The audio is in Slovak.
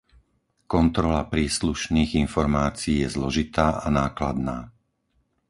Kontrola príslušných informácií je zložitá a nákladná.